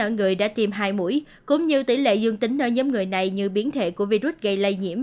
ở người đã tiêm hai mũi cũng như tỷ lệ dương tính ở nhóm người này như biến thể của virus gây lây nhiễm